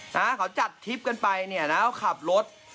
นะฮะเขาจัดทริปกันไปเนี่ยนะเขาขับรถ